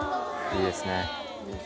いいですね。